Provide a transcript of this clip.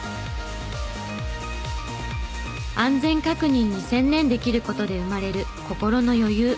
安全確認に専念できる事で生まれる心の余裕。